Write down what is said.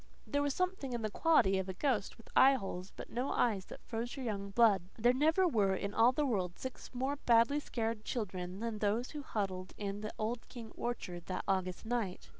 There was something in the quality of a ghost with eyeholes but no eyes that froze our young blood. There never were in all the world six more badly scared children than those who huddled in the old King orchard that August night.